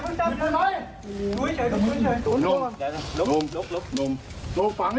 โน่นนมโน่นมโน่นมฟังนี่